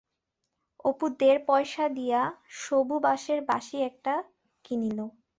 অপু দেড় পয়সা দিয়া সবু বাঁশের বাঁশি একটা কিনিল।